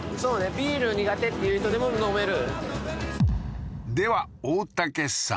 ビール苦手っていう人でも飲めるでは大竹さん